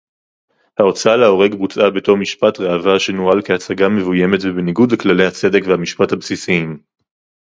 ההוצאה להורג בוצעה בתום משפט ראווה שנוהל כהצגה מבוימת ובניגוד לכללי הצדק והמשפט הבסיסיים